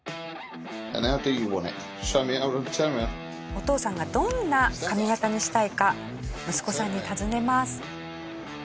お父さんがどんな髪形にしたいか息子さんに訪ねます。